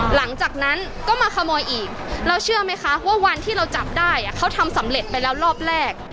หลังจากนั้นก็มาขโมยอีกเราเชื่อไหมคะว่าวันที่เราจับได้เขาทำสำเร็จไปแล้วรอบแรก